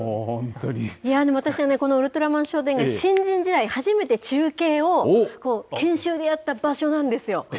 いやでも、私はこのウルトラマン商店街、新人時代、初めて中継を、研修でやった場所なんです